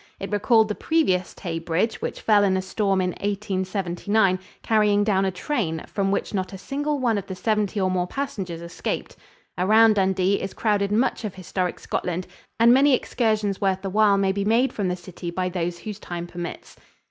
It recalled the previous Tay bridge, which fell in a storm in 1879, carrying down a train, from which not a single one of the seventy or more passengers escaped. Around Dundee is crowded much of historic Scotland, and many excursions worth the while may be made from the city by those whose time permits.